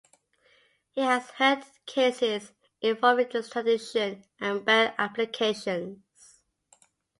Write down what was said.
He has heard cases involving extradition and bail applications.